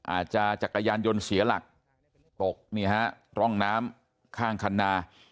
จักรยานยนต์เสียหลักตกนี่ฮะร่องน้ำข้างคันนา